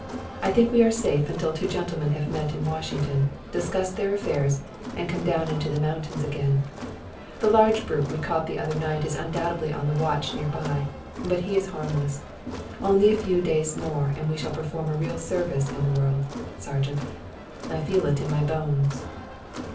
I think we are safe until two gentlemen have met in Washington, discussed their affairs, and come down into the mountains again. The large brute we caught the other night is undoubtedly on watch near by; but he is harmless. Only a few days more and we shall perform a real service in the world, Sergeant, I feel it in my bones."